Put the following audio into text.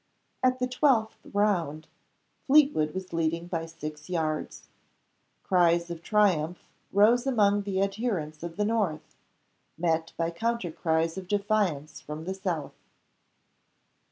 At the twelfth round, Fleetwood was leading by six yards. Cries of triumph rose among the adherents of the north, met by counter cries of defiance from the south.